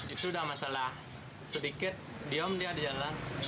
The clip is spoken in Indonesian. itu udah masalah sedikit diam dia di jalan